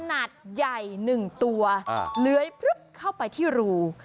ขนาดใหญ่หนึ่งตัวเหลือเข้าไปที่รู